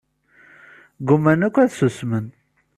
Gguman akk ad ssusmen.